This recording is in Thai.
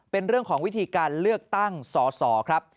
เป็นเรื่องของวิธีการเลือกตั้งสอสอครับ